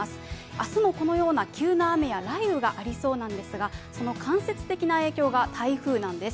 明日もこのような雷雨となる可能性があるんですが、その間接的な影響が台風なんです。